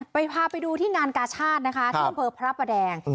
พาไปดูที่งานกาชาตินะคะที่อำเภอพระประแดง